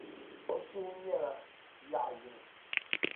O suhu nyɛla yaɣ’ yini.